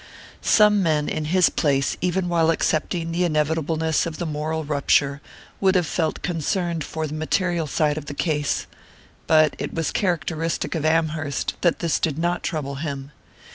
Some men, in his place, even while accepting the inevitableness of the moral rupture, would have felt concerned for the material side of the case. But it was characteristic of Amherst that this did not trouble him.